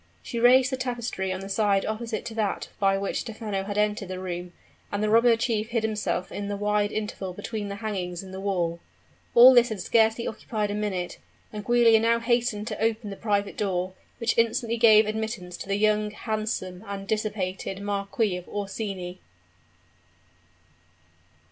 She raised the tapestry on the side opposite to that by which Stephano had entered the room; and the robber chief hid himself in the wide interval between the hangings in the wall. All this had scarcely occupied a minute; and Giulia now hastened to open the private door, which instantly gave admittance to the young, handsome, and dissipated Marquis of Orsini.